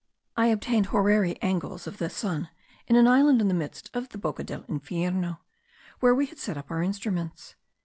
I obtained horary angles of the sun in an island in the midst of the Boca del Infierno, where we had set up our instruments.